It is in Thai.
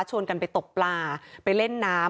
กันไปตกปลาไปเล่นน้ำ